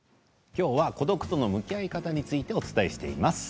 きょうは孤独との向き合い方についてお伝えしています。